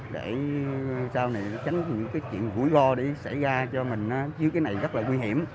để sau này tránh những cái chuyện vũi go đi xảy ra cho mình chứ cái này rất là nguy hiểm